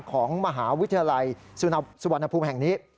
ของมหาวิทยาลัยสุวรรณภูมิแห่งนี้